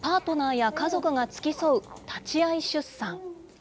出産時にパートナーや家族が付き添う立ち会い出産。